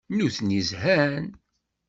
Nutni zhan.